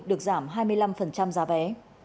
được giảm hai mươi năm giá vé